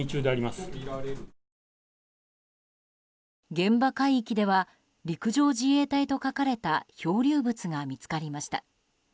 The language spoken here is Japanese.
現場海域では陸上自衛隊と書かれた漂流物が見つかりました。